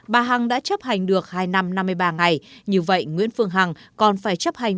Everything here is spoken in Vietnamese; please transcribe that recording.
bà hằng đã chấp hành được hai năm năm mươi ba ngày như vậy nguyễn phương hằng còn phải chấp hành